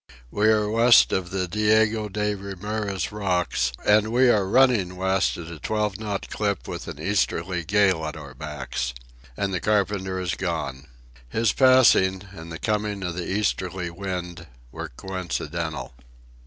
We are west of the Diego de Ramirez Rocks, and we are running west at a twelve knot clip with an easterly gale at our backs. And the carpenter is gone. His passing, and the coming of the easterly wind, were coincidental.